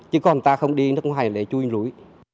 chứ còn ta không đi nước ngoài để chui núi